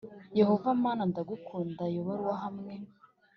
Yehova Mana ndagukunda Iyo baruwa hamwe